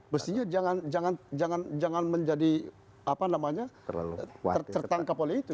mestinya jangan menjadi apa namanya tertangkap oleh itu